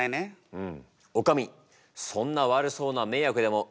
うん！